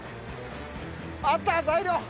あった材料。